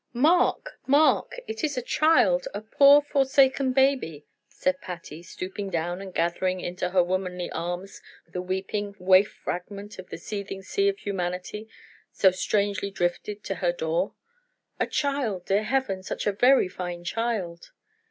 "Mark! Mark! it is a child, a poor forsaken baby," said Patty, stooping down and gathering into her womanly arms the weeping waif fragment of the seething sea of humanity so strangely drifted to her door. "A child! Dear Heaven! such a very little child!"